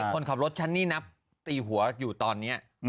คนขับรถฉันนี่นับตีหัวอยู่ตอนนี้